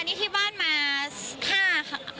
อันนี้บ้านมา๕คน